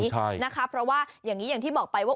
ใช่นะคะเพราะว่าอย่างนี้อย่างที่บอกไปว่า